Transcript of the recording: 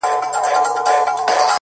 نو دا په ما باندي چا كوډي كړي;